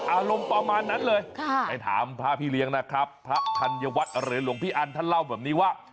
อารมณ์ประมาณนั้นเลยไปถามพระพี่เลี้ยงนะครับพระธัญวัฒน์หรือหลวงพี่อันท่านเล่าแบบนี้ว่า